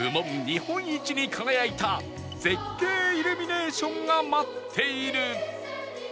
日本一に輝いた絶景イルミネーションが待っている